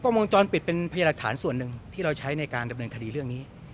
กล้องมุมจรปิดเป็นแผนดาคตรส่วนหนึ่งที่เราใช้ในการดำเนินคดีเรื่องนี้